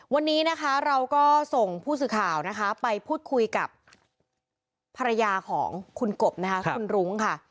วันนี้นะคะเราก็ส่งผู้สื่อข่าวนะคะไปพูดคุยกับภรรยาของคุณกบนะคะคุณรุ้งค่ะ